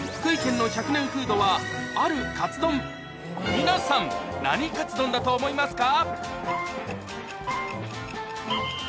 皆さん何カツ丼だと思いますか？